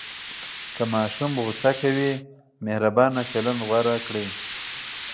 که ماشوم غوصه کوي، مهربانه چلند غوره کړئ.